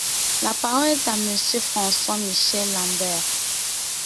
La parole est à Monsieur François-Michel Lambert.